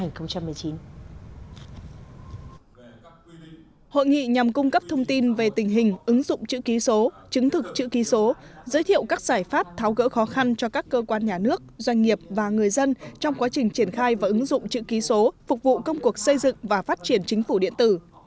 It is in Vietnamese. hội nghị nhằm cung cấp thông tin về tình hình ứng dụng chữ ký số chứng thực chữ ký số giới thiệu các giải pháp tháo gỡ khó khăn cho các cơ quan nhà nước doanh nghiệp và người dân trong quá trình triển khai và ứng dụng chữ ký số phục vụ công cuộc xây dựng và phát triển chính phủ điện tử